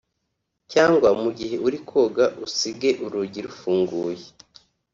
cyangwa mu gihe uri koga usige urugi rufunguye